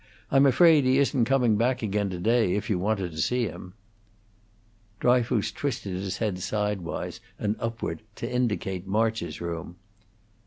"I'm afraid he isn't coming back again today, if you wanted to see him." Dryfoos twisted his head sidewise and upward to indicate March's room.